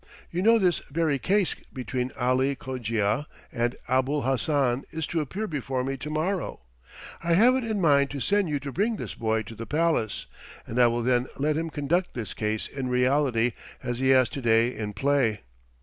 You know this very case between Ali Cogia and Abul Hassan is to appear before me to morrow, I have it in mind to send you to bring this boy to the palace, and I will then let him conduct this case in reality as he has to day in play."